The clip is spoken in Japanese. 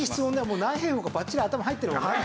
もう何平方かバッチリ頭入ってるもんね。